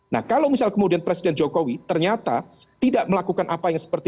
nah kalau misal kemudian presiden jokowi ternyata tidak melakukan apa yang seperti